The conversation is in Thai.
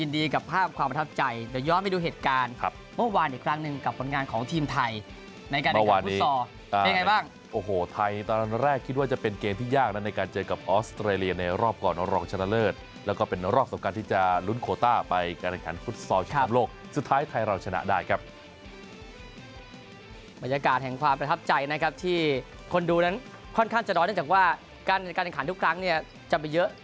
ที่คนดูนั้นค่อนข้างจะร้อยเนื่องจากว่าการแข่งขันทุกครั้งจะไปเยอะ